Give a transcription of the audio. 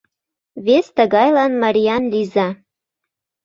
Вес тыгайлан мариян лийза.